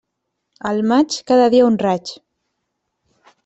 Al maig, cada dia un raig.